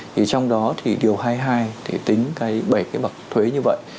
trong đó thì điều hai mươi hai thì tính bảy cái bậc thuế như vậy